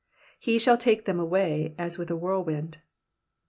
*^^ He shall take them away as with a whirltcind.'